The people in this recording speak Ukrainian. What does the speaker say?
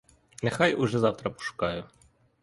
Нехай уже завтра пошукаю.